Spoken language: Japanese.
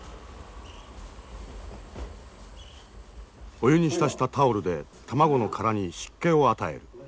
お湯に浸したタオルで卵の殻に湿気を与える。